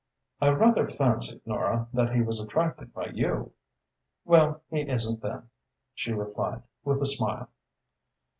"I rather fancied, Nora, that he was attracted by you." "Well, he isn't, then," she replied, with a smile.